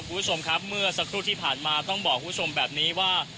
คุณผู้ชมครับเมื่อสักครู่ที่ผ่านมาต้องบอกคุณผู้ชมแบบนี้ว่า